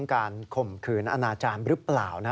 การข่มขืนอนาจารย์หรือเปล่า